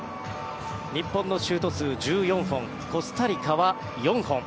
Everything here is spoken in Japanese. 日本のシュート数１４本コスタリカは４本。